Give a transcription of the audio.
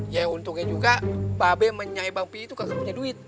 ya untungnya juga mba be menyai bang pi itu gak punya duit